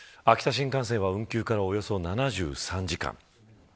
秋田新幹線は運休からおよそ７３時間。